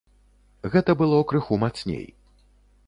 Гэта было крыху мацней.